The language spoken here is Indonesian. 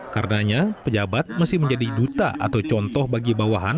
karenanya pejabat masih menjadi duta atau contoh bagi bawahan